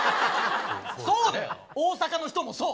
そうだよ大阪の人もそう。